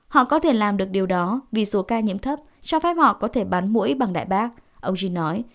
họ có thể làm được điều đó vì số ca nhiễm thấp cho phép họ có thể bán mũi bằng đại bác ông jin nói